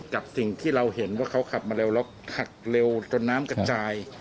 กับสิ่งที่เราเห็นว่าเขาขับมาเร็วแล้วขับเร็วจนน้ำกระจาย